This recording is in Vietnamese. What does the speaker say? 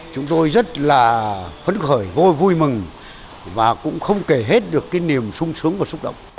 chúng tôi rất là phấn khởi vui mừng và cũng không kể hết được cái niềm sung sướng và xúc động